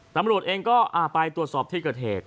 ตำรวจเองก็ไปตรวจสอบที่เกิดเหตุ